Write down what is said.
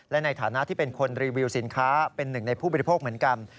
และในฐานะที่เป็นคนรีวิวสินค้าเป็นหนึ่งในผู้บริโภคเหมือนกัน